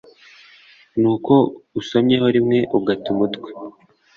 ni uko usomyeho rimwe ugata umutwe